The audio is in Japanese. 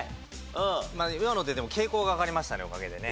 まあ今のででも傾向がわかりましたねおかげでね。